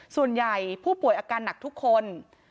ส่วนใหญ่ผู้ป่วยอาการหนักทุกคน